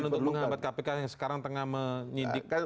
untuk menghambat kpk yang sekarang tengah menyidik